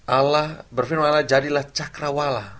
allah berfirman allah jadilah cakrawala